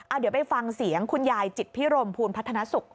เดี๋ยวไปฟังเสียงคุณยายจิตพิรมภูลพัฒนสุข